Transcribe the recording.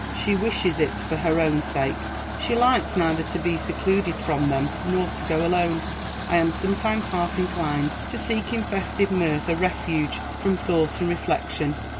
She wishes it for her own sake. She likes neither to be secluded from them nor to go alone. I am sometimes half inclined to seek in festive mirth a refuge from thought and reflection.